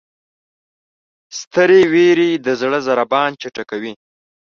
سترې وېرې د زړه ضربان چټکوي.